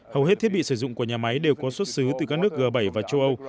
hầu hết thiết bị sử dụng của nhà máy đều có xuất xứ từ các nước g bảy và châu âu